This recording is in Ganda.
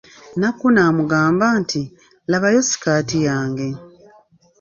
Nakku n'amugamba nti, labayo sikaati yange.